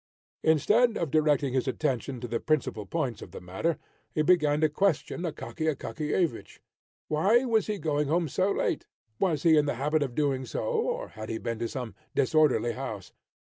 Instead of directing his attention to the principal points of the matter, he began to question Akaky Akakiyevich. Why was he going home so late? Was he in the habit of doing so, or had he been to some disorderly house?